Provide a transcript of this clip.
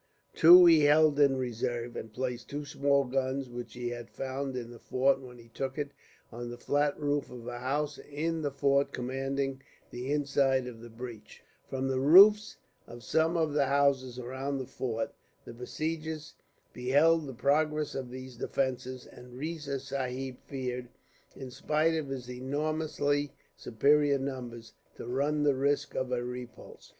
Two he held in reserve, and placed two small guns, which he had found in the fort when he took it, on the flat roof of a house in the fort commanding the inside of the breach. From the roofs of some of the houses around the fort the besiegers beheld the progress of these defences; and Riza Sahib feared, in spite of his enormously superior numbers, to run the risk of a repulse.